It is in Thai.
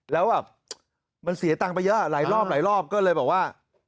แล้วมันเสียตังค์ไปเยอะหลายรอบก็เลยบอกว่า